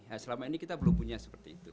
ya selama ini kita belum punya seperti itu